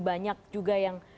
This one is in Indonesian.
banyak juga yang